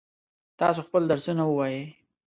تاسو خپل درسونه ووایئ.